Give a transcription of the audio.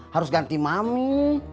harus ganti mami